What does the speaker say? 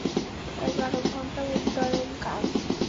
এগার ঘন্টা উড্ডয়নকাল।